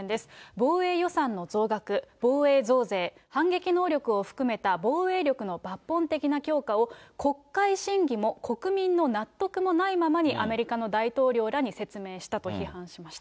防衛予算の増額、防衛増税、反撃能力を含めた防衛力の抜本的な強化を国会審議も、国民の納得もないままにアメリカの大統領らに説明したと批判しました。